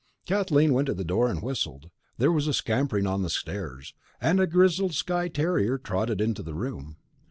Kathleen went to the door and whistled. There was a scampering on the stairs, and a grizzled Skye terrier trotted into the room.